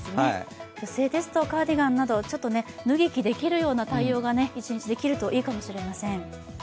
女性ですとカーディガンなど、脱ぎ着できるような対応が一日できるといいかもしれません。